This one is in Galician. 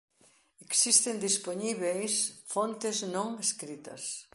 Existen dispoñíbeis fontes non escritas.